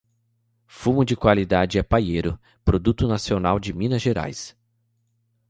Fumo de qualidade é paiero, produto nacional de Minas Gerais